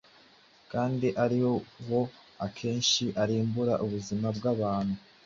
kandi ari wo akenshi urimbura ubuzima bw’abantu